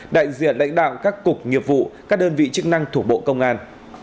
đại diện lãnh đạo các cục nghiệp vụ các đơn vị chức năng thuộc bộ công an